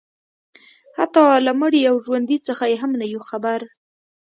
حتی له مړي او ژوندي څخه یې هم نه یو خبر